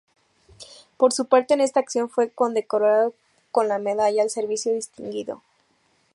Por su parte en esta acción, fue condecorado con la "Medalla al Servicio Distinguido".